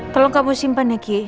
tolong kamu simpen ya kiki